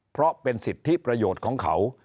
เพราะเป็นสิทธิประโยชน์ของเขา